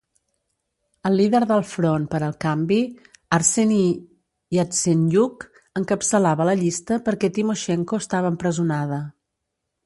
El líder del Front per al Canvi, Arseniy Yatsenyuk, encapçalava la llista perquè Tymoshenko estava empresonada.